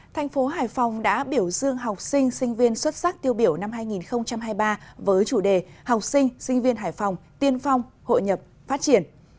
thành phố hải phòng đã biểu dương học sinh sinh viên xuất sắc tiêu biểu năm hai nghìn hai mươi ba với chủ đề học sinh sinh viên hải phòng tiên phong hội nhập phát triển